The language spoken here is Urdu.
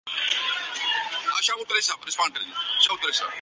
ونڈو فون میں کافی عرصے سے مختلف ملکوں کی قومی زبان آپشن ہے